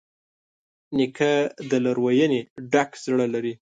نیکه د لورینې ډک زړه لري.